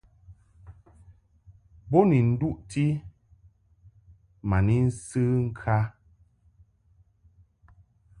Bo ni nduʼti ma ni nsə ŋkǎ.